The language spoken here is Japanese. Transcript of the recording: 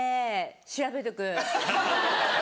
調べとく。